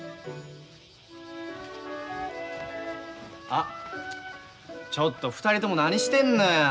あっちょっと２人とも何してんのや。